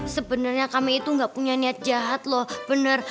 sebenarnya kami itu gak punya niat jahat loh bener